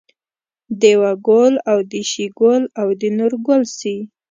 دېوه ګل او د شیګل او د نورګل سي